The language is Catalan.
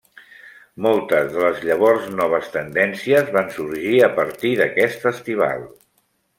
Motes de les llavors noves tendències van sorgir a partir d'aquest festival.